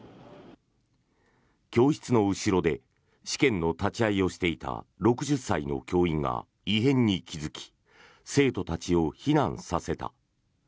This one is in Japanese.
教室の後ろで試験の立ち会いをしていた６０歳の教員が異変に気付き生徒たちを避難させた。